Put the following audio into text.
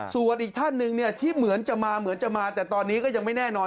ส่วนอีกท่านหนึ่งเนี่ยที่เหมือนจะมาเหมือนจะมาแต่ตอนนี้ก็ยังไม่แน่นอน